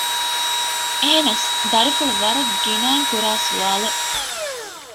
އެހެނަސް ދަރިފުޅު ވަރަށް ގިނައިން ކުރާ ސުވާލެއް